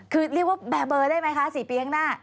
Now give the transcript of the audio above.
คือเรียกว่าแบร์เบอร์ได้ไหมคะ๔ปีข้างหน้า